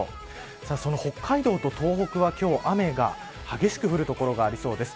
北海道と東北は今日は、雨が激しく降る所がありそうです。